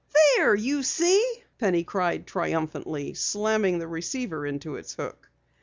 "There, you see!" Penny cried triumphantly, slamming the receiver into its hook.